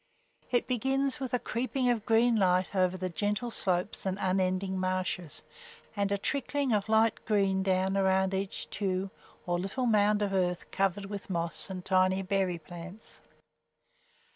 It begins with a creeping of light green over the gentle slopes and unending marshes, and a trickling of light green down around each tue, or little mound of earth covered with moss and tiny berry plants.